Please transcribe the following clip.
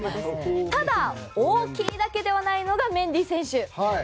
ただ大きいだけではないのがメンディ選手。